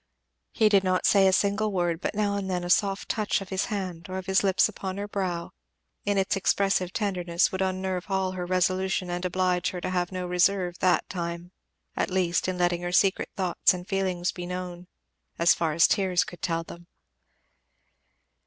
He did not say a single word, but now and then a soft touch of his hand or of his lips upon her brow, in its expressive tenderness would unnerve all her resolution and oblige her to have no reserve that time at least in letting her secret thoughts and feelings be known, as far as tears could tell them.